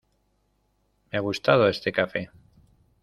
¡Me ha gustado este café!